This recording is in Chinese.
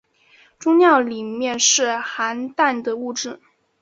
终尿里面是含氮的物质。